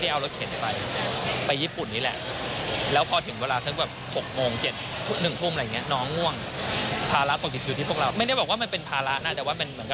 ตลอดคือเอาไว้ห้อยนี่ห้อยนู่นของแม่ด้วยแล้ว